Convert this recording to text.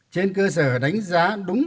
trên cơ sở đánh giá đúng